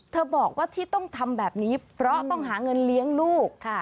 บอกว่าที่ต้องทำแบบนี้เพราะต้องหาเงินเลี้ยงลูก